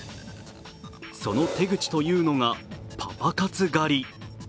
その手口というのがパパ活狩り。